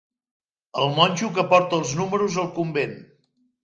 El monjo que porta els números al convent.